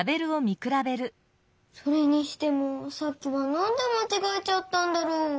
それにしてもさっきはなんでまちがえちゃったんだろう？